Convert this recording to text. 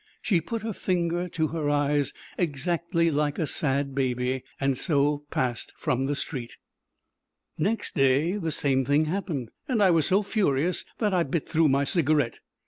She put her finger to her eyes, exactly like a sad baby, and so passed from the street. Next day the same thing happened, and I was so furious that I bit through my cigarette.